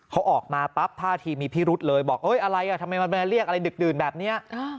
เขาออกมาปั๊บท่าทีมีพิรุษเลยบอกอะไรอ่ะทำไมมันมาเรียกอะไรดึกดื่นแบบนี้